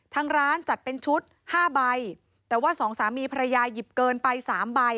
ทางร้านจัดเป็นชุดห้าใบแต่ว่าสองสามีภรรยาหยิบเกินไปสามใบ